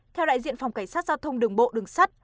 theo đại diện phòng cảnh sát giao thông đường bộ đường sắt